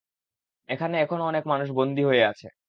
এখানে এখনো অনেক মানুষ বন্দী হয়ে আছে।